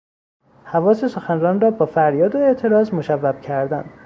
حواس سخنران را بافریاد و اعتراض مشوب کردن